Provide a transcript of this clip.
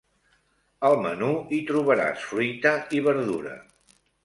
Al menú hi trobaràs fruita i verdura.